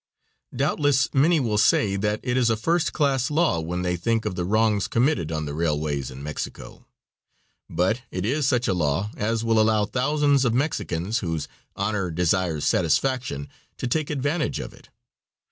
Doubtless many will say that it is a first class law when they think of the wrongs committed on the railways in Mexico. But it is such a law as will allow thousands of Mexicans whose "honor desires satisfaction" to take advantage of it.